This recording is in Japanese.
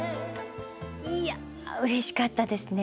いやうれしかったですね。